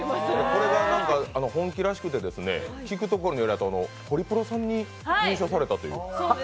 これが本気らしくて聞くところによると、ホリプロさんに入所されたという？